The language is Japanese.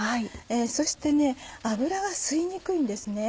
そして油が吸いにくいんですね。